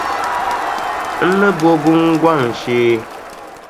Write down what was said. N ni bo gungɔŋ shee.